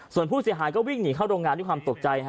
ส่วนผู้เสียหายก็วิ่งหนีเข้าโรงงานด้วยความตกใจ